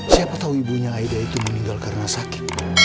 siapa tahu ibunya aida itu meninggal karena sakit